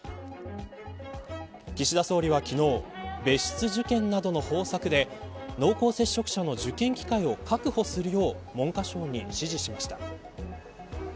岸田総理は昨日別室受験などの方策で濃厚接触者の受験機会を確保するよう文科省に指示しました。